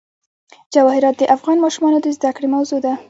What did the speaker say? جواهرات د افغان ماشومانو د زده کړې موضوع ده.